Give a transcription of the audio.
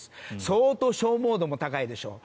相当、消耗度も高いでしょう。